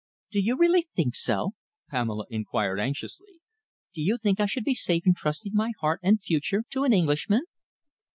"Do you really think so?" Pamela inquired anxiously. "Do you think I should be safe in trusting my heart and future to an Englishman?"